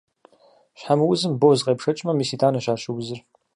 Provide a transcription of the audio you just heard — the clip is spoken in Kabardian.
Щхьэмыузым боз къепшэкӀмэ, мис итӀанэщ ар щыузыр.